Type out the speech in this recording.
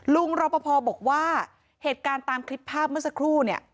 รอปภบอกว่าเหตุการณ์ตามคลิปภาพเมื่อสักครู่เนี่ย